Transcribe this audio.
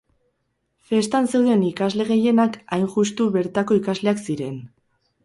Festan zeuden ikasle gehienak hain justu bertako ikasleak ziren.